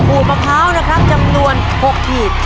อุ่งปะเพรานะครับจำนวน๖ขีด